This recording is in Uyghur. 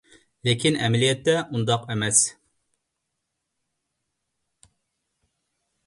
لېكىن، ئەمەلىيەتتە ئۇنداق ئەمەس.